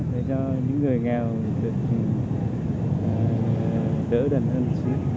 để cho những người nghèo được đỡ đần hơn xíu